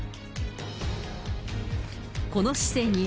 この姿勢に、